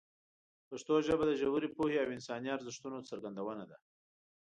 پښتو ژبه د ژورې پوهې او انساني ارزښتونو څرګندونه ده.